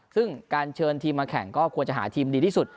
ซึ่งการเชิญทีมมาแข่งก็ควรจะหาทีมดีที่สุด